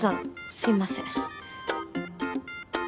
すいません